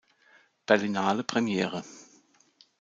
Berlinale Premiere.